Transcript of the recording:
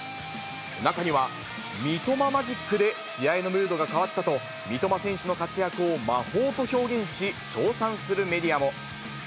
中には、三笘マジックで試合のムードが変わったと、三笘選手の活躍を魔法と表現し、称賛するメディアも。